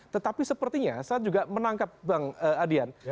tetapi sepertinya saya juga menangkap bang adian